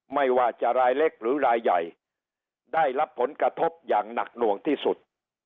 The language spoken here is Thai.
ไม่ว่าจะรายเล็กหรือรายใหญ่ได้รับผลกระทบอย่างหนักหน่วงที่สุด